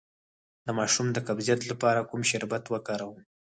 د ماشوم د قبضیت لپاره کوم شربت وکاروم؟